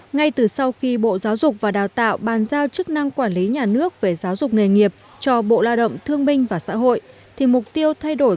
ngay từ sau khi bộ giáo dục và đào tạo bàn giao chức năng quản lý nhà nước về giáo dục nghề nghiệp cho bộ lao động thương minh và xã hội